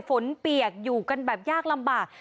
เปียกอยู่กันแบบยากลำบาก